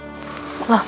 aku akan selamatkanmu